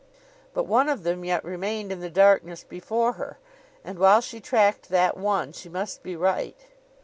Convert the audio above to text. But one of them yet remained in the darkness before her; and while she tracked that one she must be right.